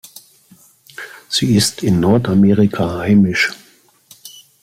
Sie ist in Nordamerika heimisch.